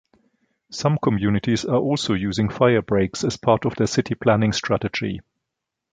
Some communities are also using firebreaks as part of their city planning strategy.